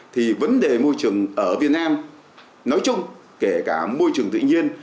thì vấn đề môi trường ở việt nam nói chung kể cả môi trường tự nhiên